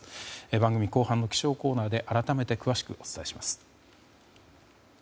番組後半の気象コーナーで改めて詳しくお伝えします。